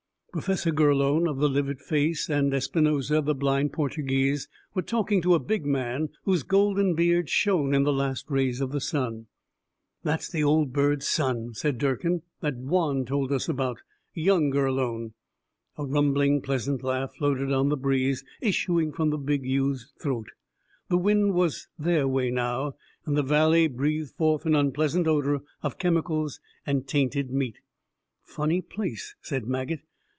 Professor Gurlone of the livid face and Espinosa the blind Portuguese, were talking to a big man whose golden beard shone in the last rays of the sun. "That's the old bird's son," said Durkin, "that Juan told us about. Young Gurlone." A rumbling, pleasant laugh floated on the breeze, issuing from the big youth's throat. The wind was their way, now, and the valley breathed forth an unpleasant odor of chemicals and tainted meat. "Funny place," said Maget.